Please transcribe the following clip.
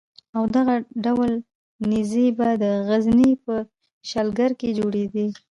او دغه ډول نېزې به د غزني په شلګر کې جوړېدې.